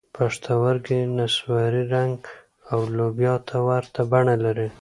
پښتورګي نسواري رنګ او لوبیا ته ورته بڼه لري.